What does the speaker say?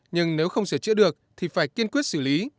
nhưng nếu không sửa chữa được thì phải kiên quyết xử lý